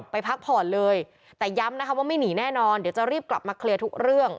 พักผ่อนเลยแต่ย้ำนะคะว่าไม่หนีแน่นอนเดี๋ยวจะรีบกลับมาเคลียร์ทุกเรื่อง